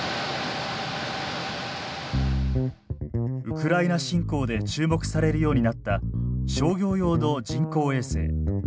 ウクライナ侵攻で注目されるようになった商業用の人工衛星。